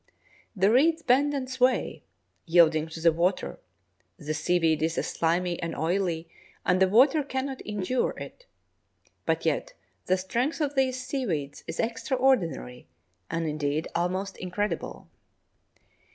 The reeds bend and sway, yielding to the water; the seaweed is slimy and oily, and the water cannot injure it. But yet the strength of these seaweeds is extraordinary, and, indeed, almost incredible.